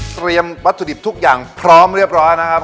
เตรียมวัตถุดิบทุกอย่างพร้อมเรียบร้อยนะครับ